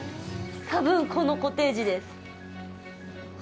多分、このコテージです。